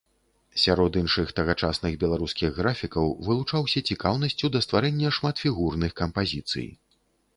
Сярод іншых тагачасных беларускіх графікаў вылучаўся цікаўнасцю да стварэння шматфігурных кампазіцый.